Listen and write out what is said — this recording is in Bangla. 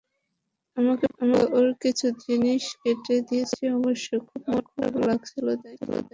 আমাকে বলা ওর কিছু জিনিস কেটে দিয়েছি অবশ্য, খুব মন খারাপ লাগছিল তাই।